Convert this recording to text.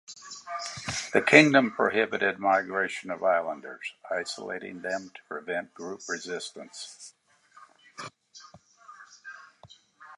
The kingdom prohibited migration of islanders, isolating them to prevent group resistance.